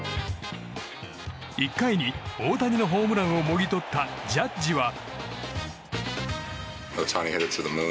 １回に大谷のホームランをもぎ取ったジャッジは。